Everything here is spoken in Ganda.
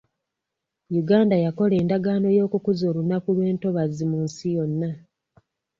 Uganda yakola endagaano y'okukuza olunaku lw'entobazi mu nsi yonna.